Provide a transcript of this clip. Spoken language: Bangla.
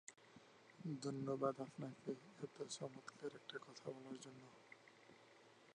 কিন্তু সব পরিখা এখন ভরাট হয়ে গেছে।